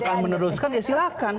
maka meneruskan ya silahkan